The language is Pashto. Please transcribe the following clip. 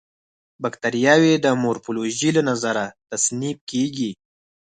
باکټریاوې د مورفولوژي له نظره تصنیف کیږي.